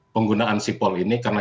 penggunaan sipol ini karena